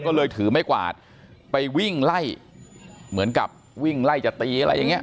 ก็เลยถือไม้กวาดไปวิ่งไล่เหมือนกับวิ่งไล่จะตีอะไรอย่างเงี้